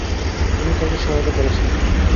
তিনি তাঁকে সহায়তা করেছিলেন।